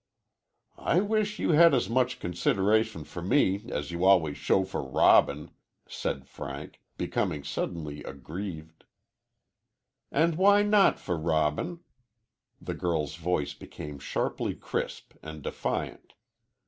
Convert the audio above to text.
"I wish you had as much consideration for me as you always show for Robin," said Frank, becoming suddenly aggrieved. "And why not for Robin?" The girl's voice became sharply crisp and defiant.